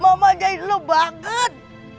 mau manjain lu banget